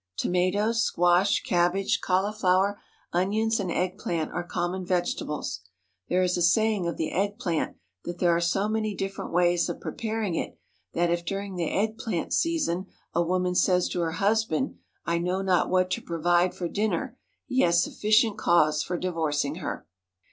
To matoes, squash, cabbage, cauliflower, onions, and egg plant are common vegetables. There is a saying of the eggplant that there are so many different ways of pre paring it that if during the eggplant season a woman says to her husband, "I know not what to provide for dinner/' he has sufficient cause for divorcing her.